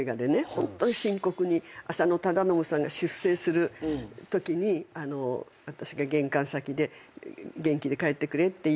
ホントに深刻に浅野忠信さんが出征するときに私が玄関先で「元気で帰ってくれ」っていうせりふがね。